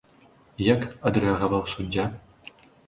І як адрэагаваў суддзя?